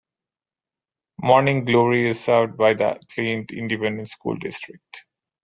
Morning Glory is served by the Clint Independent School District.